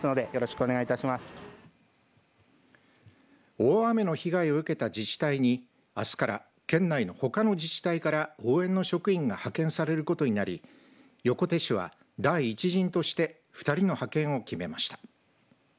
大雨の被害を受けた自治体にあすから県内のほかの自治体から応援の職員が派遣されることになり横手市は第１陣として２人の派遣を決めました。